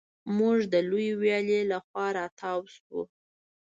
موږ د لویې ویالې له خوا را تاو شوو.